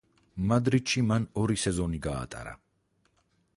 მადრიდში მან ორი სეზონი გაატარა.